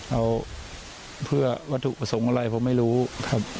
เอาเพื่อวัตถุประสงค์อะไรผมไม่รู้ครับ